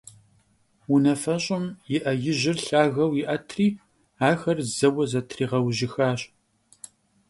Унафэщӏым и Ӏэ ижьыр лъагэу иӀэтри, ахэр зэуэ зэтригъэужьыхащ.